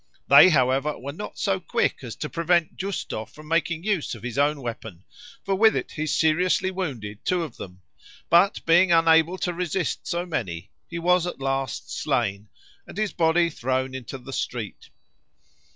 They, however, were not so quick as to prevent Giusto from making use of his own weapon; for with it he seriously wounded two of them; but being unable to resist so many, he was at last slain, and his body thrown into the street.